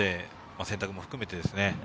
洗濯も含めてですね。